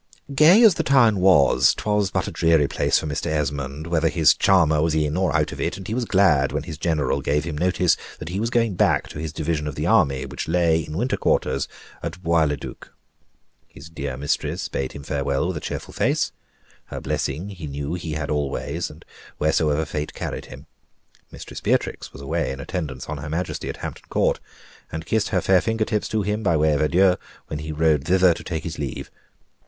Gay as the town was, 'twas but a dreary place for Mr. Esmond, whether his charmer was in or out of it, and he was glad when his general gave him notice that he was going back to his division of the army which lay in winter quarters at Bois le Duc. His dear mistress bade him farewell with a cheerful face; her blessing he knew he had always, and wheresoever fate carried him. Mistress Beatrix was away in attendance on her Majesty at Hampton Court, and kissed her fair fingertips to him, by way of adieu, when he rode thither to take his leave.